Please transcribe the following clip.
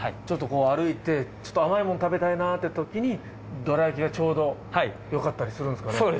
ちょっと歩いて甘いもの食べたいなっていうときにどら焼きがちょうどよかったりするんですかね？